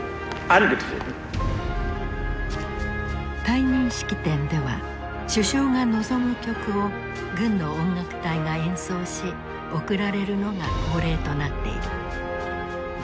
退任式典では首相が望む曲を軍の音楽隊が演奏し送られるのが恒例となっている。